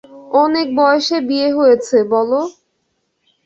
অনেক বয়সে বিয়ে হয়েছে বলো?